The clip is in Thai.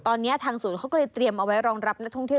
ตอนนี้ทางศูนย์เขาก็เลยเตรียมเอาไว้รองรับนักท่องเที่ยว